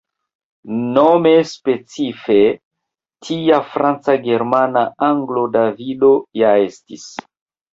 Nome specife tia Franca Germana Anglo Davido ja estis.